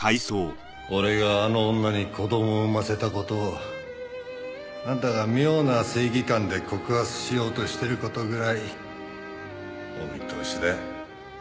俺があの女に子供を産ませた事をあんたが妙な正義感で告発しようとしてる事ぐらいお見通しだ。